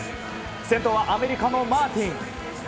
先頭はアメリカのマーティン。